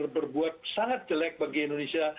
berbuat sangat jelek bagi indonesia